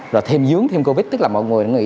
rồi thêm dướng thêm covid tức là mọi người nghĩ